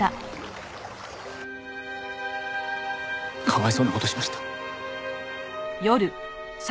かわいそうな事をしました。